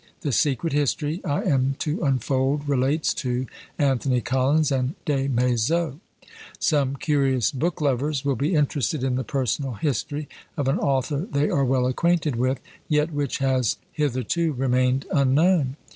The secret history I am to unfold relates to Anthony Collins and Des Maizeaux. Some curious book lovers will be interested in the personal history of an author they are well acquainted with, yet which has hitherto remained unknown.